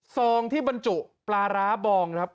ซองที่บรรจุปลาร้าบองครับ